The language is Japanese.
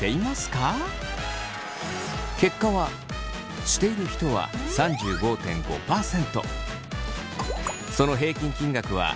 結果はしている人は３５．５％。